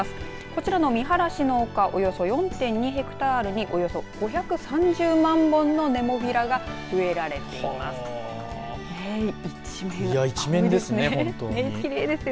こちらのみはらしの丘およそ４．２ヘクタールにおよそ５３０万本のネモフィラが植えられています。